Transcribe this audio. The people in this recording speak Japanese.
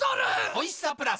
おいしさプラス